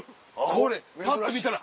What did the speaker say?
これぱっと見たら。